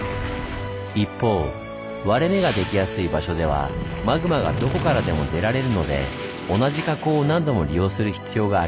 一方割れ目ができやすい場所ではマグマがどこからでも出られるので同じ火口を何度も利用する必要がありません。